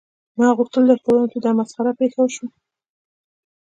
ما غوښتل درته ووایم چې دا مسخره پیښه وشوه